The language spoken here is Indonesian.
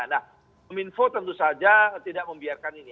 nah kominfo tentu saja tidak membiarkan ini